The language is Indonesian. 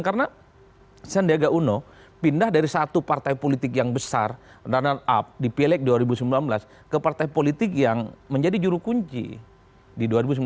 karena sandiaga uno pindah dari satu partai politik yang besar run up dipilek dua ribu sembilan belas ke partai politik yang menjadi juru kunci di dua ribu sembilan belas